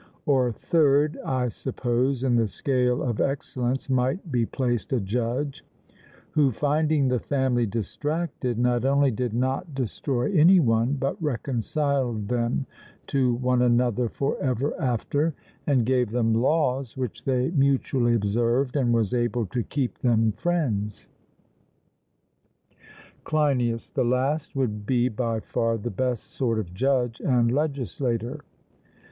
Or third, I suppose, in the scale of excellence might be placed a judge, who, finding the family distracted, not only did not destroy any one, but reconciled them to one another for ever after, and gave them laws which they mutually observed, and was able to keep them friends. CLEINIAS: The last would be by far the best sort of judge and legislator.